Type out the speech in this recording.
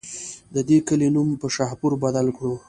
د دې کلي نوم پۀ شاهپور بدل کړو